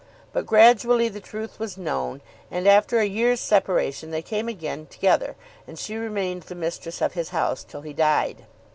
But gradually the truth was known, and after a year's separation they came again together and she remained the mistress of his house till he died.